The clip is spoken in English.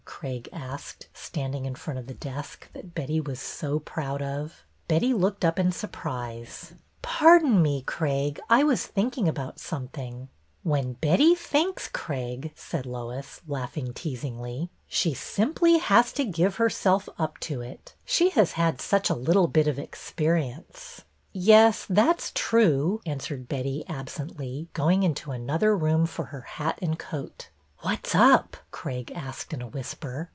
Craig asked, standing in front of the desk that Betty was so proud of. Betty looked up in surprise. " Pardon me, Craig, I was thinking about something." " When Betty thinks, Craig," said Lois, laughing teasingly, " she simply has to give 2o8 BETTY BAIRD'S VENTURES herself up to it. She has had such a little bit of experience." ''Yes, that's true," answered Betty, absently, going into another room for her hat and coat. " What 's up? " Craig asked in a whisper.